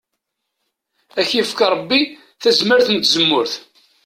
Ad k-yefk Ṛebbi tazmart n tzemmurt.